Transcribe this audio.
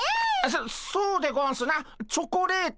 そそうでゴンスなチョコレートとか。